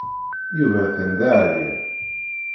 Yuba atan d aɛeryan.